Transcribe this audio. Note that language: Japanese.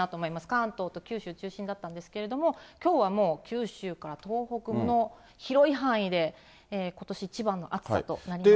関東と九州中心だったんですけど、きょうはもう九州から東北の広い範囲でことし一番の暑さとなりました。